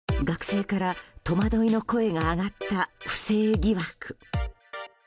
学生から戸惑いの声が上がった不正疑惑。